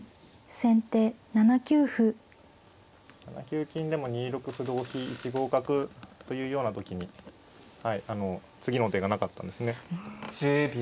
７九金でも２六歩同飛１五角というような時にはいあの次の手がなかったんですね。